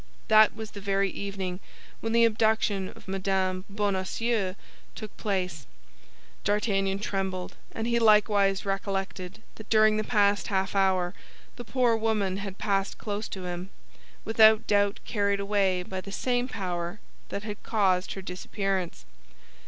That was the very evening when the abduction of Mme. Bonacieux took place. D'Artagnan trembled; and he likewise recollected that during the past half hour the poor woman had passed close to him, without doubt carried away by the same power that had caused her disappearance.